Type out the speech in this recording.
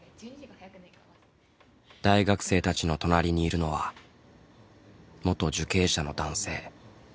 大学生たちのとなりにいるのは元受刑者の男性。